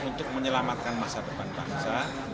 untuk menyelamatkan masa depan bangsa